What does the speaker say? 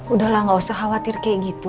udah lah gak usah khawatir kayak gitu